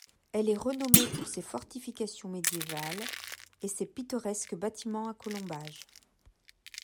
Elle est renommée pour ses fortifications médiévales et ses pittoresques bâtiments à colombage.